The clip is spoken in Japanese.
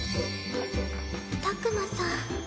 拓馬さん。